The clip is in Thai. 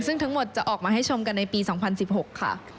ซึ่งทั้งหมดจะออกมาให้ชมกันในปี๒๐๑๖ค่ะ